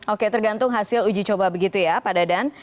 oke tergantung hasil uji coba begitu ya pak dadan